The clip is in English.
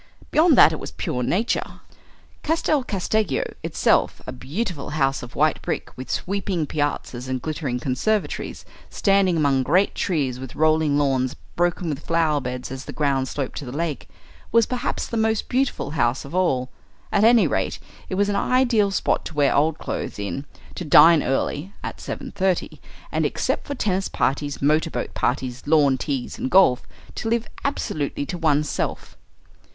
Beyond that it was pure nature. Castel Casteggio itself, a beautiful house of white brick with sweeping piazzas and glittering conservatories, standing among great trees with rolling lawns broken with flower beds as the ground sloped to the lake, was perhaps the most beautiful house of all; at any rate, it was an ideal spot to wear old clothes in, to dine early (at 7.30) and, except for tennis parties, motor boat parties, lawn teas, and golf, to live absolutely to oneself.